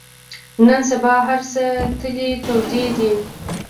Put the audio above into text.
نن سبا هر څه تلې تودې دي.